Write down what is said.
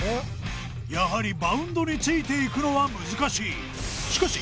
やはりバウンドについていくのは難しいしかし